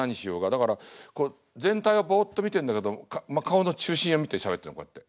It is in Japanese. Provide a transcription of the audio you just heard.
だから全体はぼっと見てんだけど顔の中心を見てしゃべってんのこうやって。